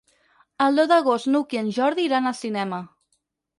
El deu d'agost n'Hug i en Jordi iran al cinema.